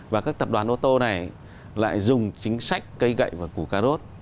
và các tập đoàn ô tô này lại dùng chính sách cây gậy và củ cà rốt